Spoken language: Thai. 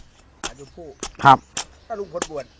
ไปแน่นอนครับถ้าลุงพลบวท